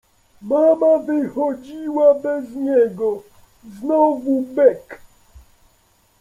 Mama wychodziła bez niego, znowu bek.